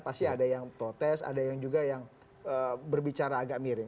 pasti ada yang protes ada yang juga yang berbicara agak miring